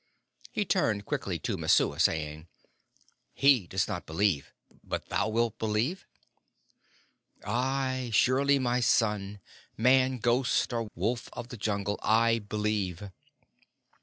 He turned quickly to Messua, saying, "He does not believe, but thou wilt believe?" "Ay, surely, my son. Man, ghost, or wolf of the Jungle, I believe."